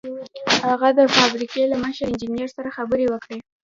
هغه د فابریکې له مشر انجنیر سره خبرې وکړې